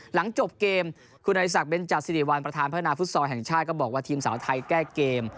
หลังจบเกมคุณไอศักดิเบนจาสิริวัลประธานพัฒนาฟุตซอลแห่งชาติก็บอกว่าทีมสาวไทยแก้เกม